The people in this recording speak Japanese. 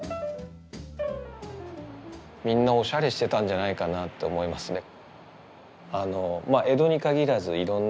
みんなおしゃれしてたんじゃないかと思いますね。